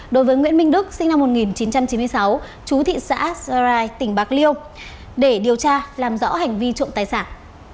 đối với nguyễn minh đức sinh năm một nghìn chín trăm chín mươi sáu chú thị xã erai tỉnh bạc liêu để điều tra làm rõ hành vi trộm tài sản